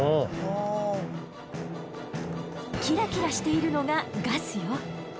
キラキラしているのがガスよ。